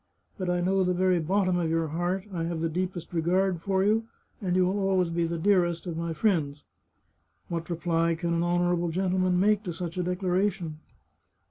But I know the very bottom of your heart ; I have the deepest regard for you, and you will always be the dearest of all my friends.' " What reply can an honourable gentleman make to such a declaration?